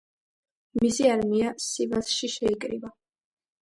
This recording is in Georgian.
მისი არმია სივასში შეიკრიბა.